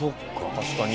確かに。